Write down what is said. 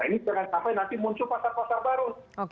nanti muncul pasar pasar baru